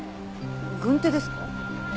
軍手ですか？